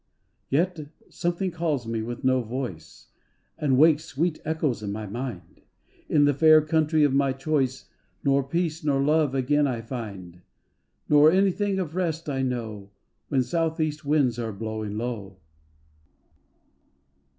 212 THE LURE Yet something calls me with no voice And wakes sweet echoes in my mind; In the fair country of my choice Nor Peace nor Love again I find, Nor anything of rest I know When south east winds are blowing low.